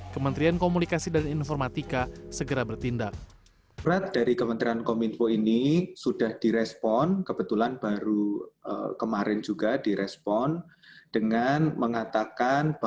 kementerian komunikasi dan informatika segera bertindak